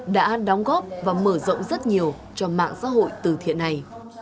đã đóng góp và mở rộng rất nhiều cho mạng xã hội từ thiện này